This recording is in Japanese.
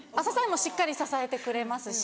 しっかり支えてくれますし。